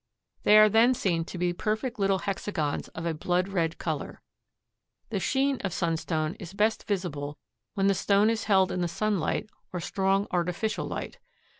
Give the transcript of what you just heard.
They are then seen to be perfect little hexagons of a blood red color. The sheen of sunstone is best visible when the stone is held in the sunlight or strong artificial light.